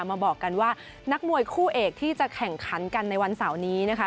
มาบอกกันว่านักมวยคู่เอกที่จะแข่งขันกันในวันเสาร์นี้นะคะ